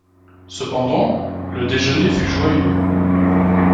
Cependant, le déjeuner fut joyeux.